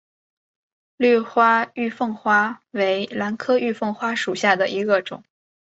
绿花玉凤花为兰科玉凤花属下的一个种。